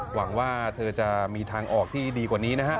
หวังว่าเธอจะมีทางออกที่ดีกว่านี้นะฮะ